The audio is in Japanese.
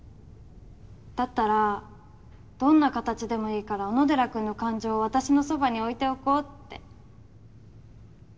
だったらどんな形でもいいから小野寺君の感情を私のそばに置いておこうって。